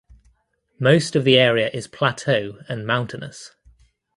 Most of the area is plateau and mountainous.